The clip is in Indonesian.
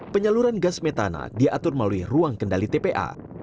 penyaluran gas metana diatur melalui ruang kendali tpa